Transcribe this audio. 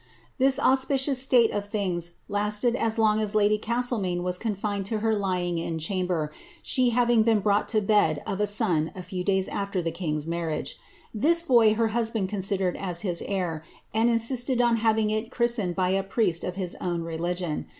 Tliis auspicious state of tilings lasted as lone as lady Castlemaine was confined to her lying in chamber, she having been brought to bed of a son a few days a[\er the king^s marriage. This boy her husband con sidered as his heir, and insisted on having it christened by a priest of hit own religion.